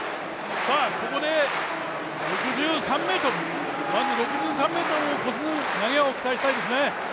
ここで、６３、まず６３ｍを超す投げを期待したいです。